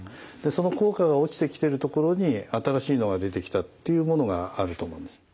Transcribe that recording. その効果が落ちてきてるところに新しいのが出てきたっていうものがあると思うんです。